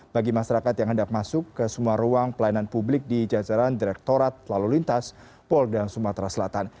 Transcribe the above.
bagi masyarakat yang hendak masuk ke semua ruang pelayanan publik di jajaran direktorat lalu lintas polda sumatera selatan